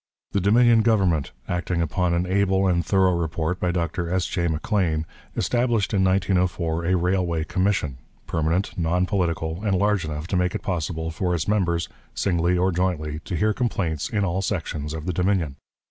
The Dominion government, acting upon an able and thorough report by Dr S. J. M'Lean, established in 1904 a Railway Commission, permanent, non political, and large enough to make it possible for its members, singly or jointly, to hear complaints in all sections of the Dominion.